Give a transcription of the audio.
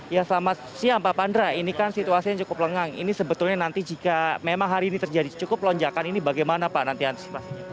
ya selamat siang pak pandra ini kan situasinya cukup lengang ini sebetulnya nanti jika memang hari ini terjadi cukup lonjakan ini bagaimana pak nanti antisipasinya